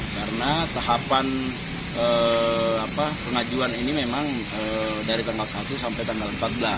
karena tahapan pengajuan ini memang dari tanggal satu sampai tanggal empat belas